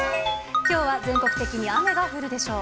きょうは全国的に雨が降るでしょう。